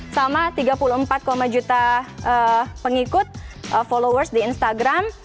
sama tiga puluh empat juta pengikut followers di instagram